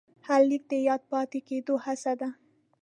هر لیک د یاد پاتې کېدو هڅه ده.